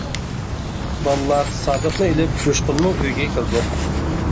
بالىلار سادىقنى ئېلىپ، جۇشقۇننىڭ ئۆيىگە كىردۇق.